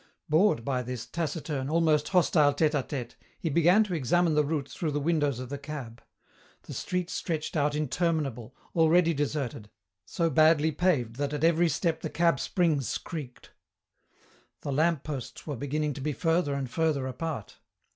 Bored by this taciturn, almost hostile tête à tête, he began to examine the route through the windows of the cab. The street stretched out interminable, already deserted, so badly paved that at every step the cab springs creaked. The lamp posts were beginning to be further and further apart.